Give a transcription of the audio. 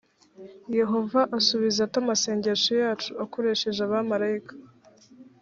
yehova asubiza ate amasengesho yacu akoresheje abamarayika